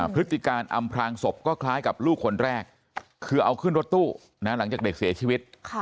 พฤติการอำพลางศพก็คล้ายกับลูกคนแรกคือเอาขึ้นรถตู้หลังจากเด็กเสียชีวิต